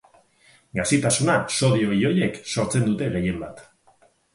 Gazitasuna sodio ioiek sortzen dute gehien bat.